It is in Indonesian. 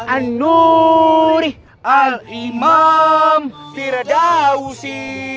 an nurih al imam firdausi